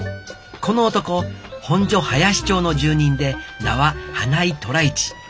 この男本所林町の住人で名は花井虎一。